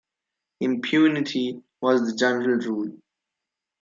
Impunity was the general rule.